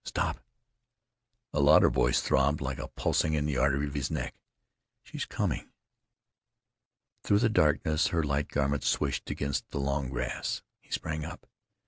Stop!" A louder voice throbbed like the pulsing of the artery in his neck, "She's coming!" Through the darkness her light garment swished against the long grass. He sprang up.